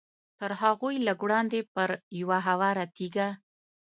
تر هغوی لږ وړاندې پر یوه هواره تیږه.